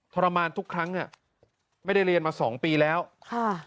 ทรมานทุกครั้งอ่ะไม่ได้เรียนมาสองปีแล้วค่ะ